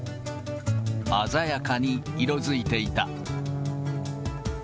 鮮やかに色づいていた。